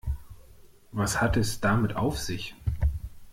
Was hat es damit auf sich?